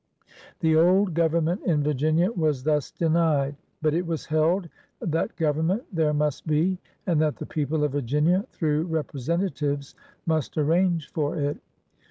' The old Government in Virginia was thus denied. But it was held that government there must be, and that the people of Virginia through represen tatives must arrange for it.